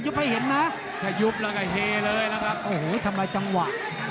อยู่ถึงทางให้เหยียบเลยนะครับโอ้โหก็ทำไมจังหวะ